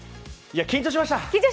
緊張しました。